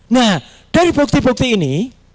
nah dari bukti bukti ini